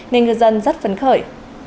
nên ngư dân rất phấn khởi